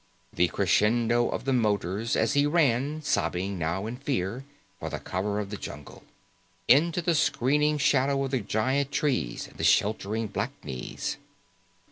The crescendo of motors as he ran, sobbing now in fear, for the cover of the jungle. Into the screening shadow of the giant trees, and the sheltering blackness.